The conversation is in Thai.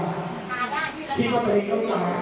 ที่เฉพาะตัวอีกต่อไป